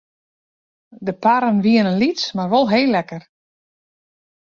De parren wienen lyts mar wol heel lekker.